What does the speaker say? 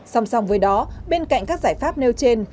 song song với đó bên cạnh các giải pháp nêu trên